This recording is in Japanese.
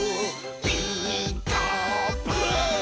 「ピーカーブ！」